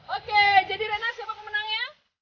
oke jadi rena siapa pemenangnya